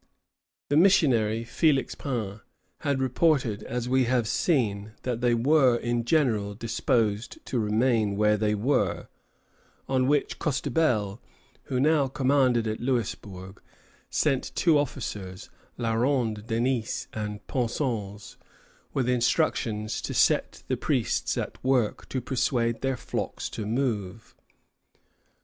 The missionary Félix Pain had reported, as we have seen, that they were, in general, disposed to remain where they were; on which Costebelle, who now commanded at Louisbourg, sent two officers, La Ronde Denys and Pensens, with instructions to set the priests at work to persuade their flocks to move.